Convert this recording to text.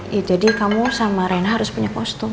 ya jadi kamu sama rena harus punya kostum